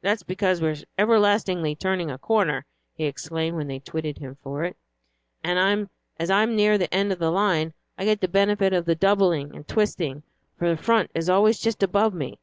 "That's because we are everlastingly turning a corner," he explained, when they twitted him for it, "and as I'm near the end of the line I get the benefit of the doubling and twisting, for the front is always just above me.